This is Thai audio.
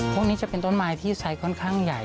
พวกนี้จะเป็นต้นไม้ที่ใช้ค่อนข้างใหญ่